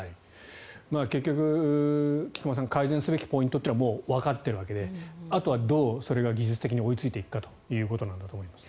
結局、菊間さん改善すべきポイントというのはもうわかっているわけであとはそれがどう技術的に追いついていくかということなんだと思います。